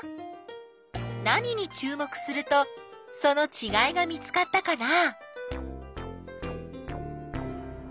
何にちゅう目するとそのちがいが見つかったかな？